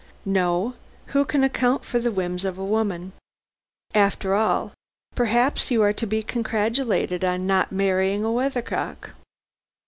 "No! Who can account for the whims of a woman. After all, perhaps you are to be congratulated on not marrying a weathercock."